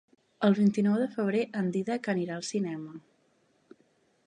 El vint-i-nou de febrer en Dídac anirà al cinema.